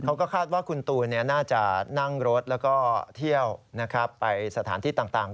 เขาก็คาดว่าคุณตูนน่าจะนั่งรถแล้วก็เที่ยวไปสถานที่ต่าง